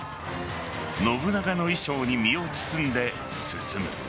信長の衣装に身を包んで進む。